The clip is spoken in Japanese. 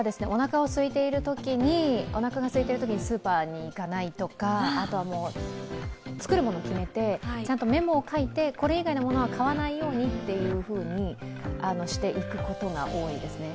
私はおなかがすいているときにスーパーに行かないとかあとは、作るものを決めてちゃんとメモを書いてこれ以外のものは買わないようにとして行くことが多いですね。